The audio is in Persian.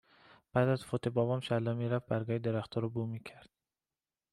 بعد از فوت بابام شهلا می رفت برگای درختا رو بو می کرد